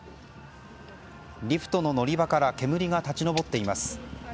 リフトの乗り場から煙が立ち上っています。